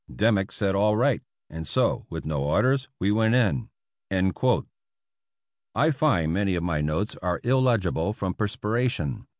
Dimmick said all right — and so, with no orders, we went in." I find many of my notes are illegible from perspiration.